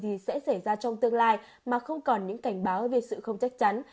thì sẽ xảy ra trong tương lai mà không còn những cảnh báo về sự không chắc chắn